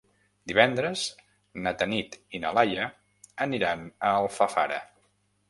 Divendres na Tanit i na Laia aniran a Alfafara.